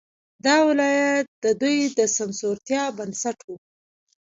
دا ولایت د دوی د سمسورتیا بنسټ وو.